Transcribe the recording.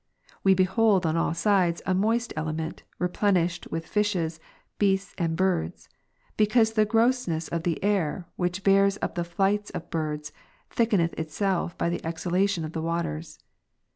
We behold on all sides a moist element, replen ished with fishes, beasts, and birds; because the grossness of the air, which bears up the flights of ])irds, thickeneth itself by the exhalation of the waters".